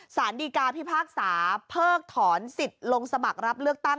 สารดีกาพิพากษาเพิกถอนสิทธิ์ลงสมัครรับเลือกตั้ง